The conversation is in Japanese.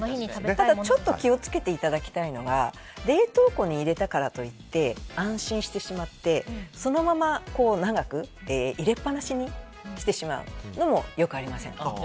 ちょっと気を付けていただきたいのが冷凍庫に入れたからといって安心してしまってそのまま、長く入れっぱなしにしてしまうのもよくありません。